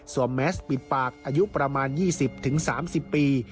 แมสปิดปากอายุประมาณ๒๐๓๐ปี